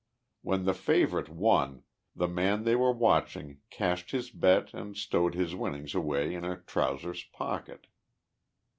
When the favorite won, the man they were watching cashed his bet and stowed his winnings away in a trousers pocket.